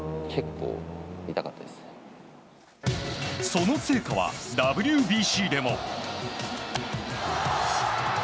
その成果は、ＷＢＣでも。